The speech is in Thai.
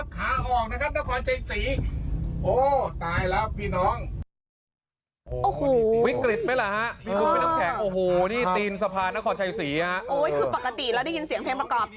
คือปกติเรานี่ยินเสียงเพลงประกอบ